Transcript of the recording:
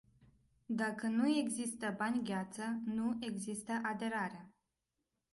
Dacă nu există bani gheață, nu există aderare.